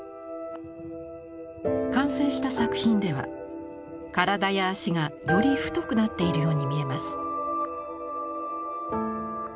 完成した作品では体や脚がより太くなっているように見えます。